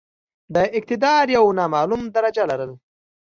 د اقتدار یو نامعموله درجه لرله.